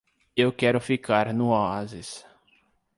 Eu quero ficar no oásis